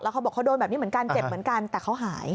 เขาบอกเขาโดนแบบนี้เหมือนกันเจ็บเหมือนกันแต่เขาหาย